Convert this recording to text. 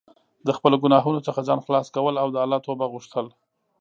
د خپلو ګناهونو څخه ځان خلاص کول او د الله توبه غوښتل.